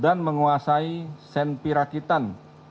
dan menguasai senpirakitan